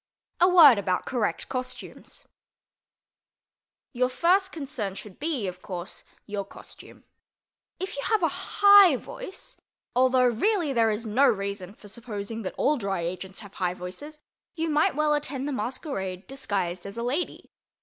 A WORD ABOUT CORRECT COSTUMES Your first concern should be, of course, your costume. If you have a high voice (although really there is no reason for supposing that all Dry Agents have high voices), you might well attend the masquerade disguised as a lady.